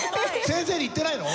先生に言ってないの？